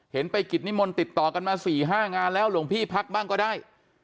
เห็นไปกิจนิมนต์ติดต่อกันมา๔๕งานแล้วหลวงพี่พักบ้างก็ได้